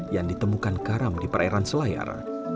yang ditemukan karam di perairan selayar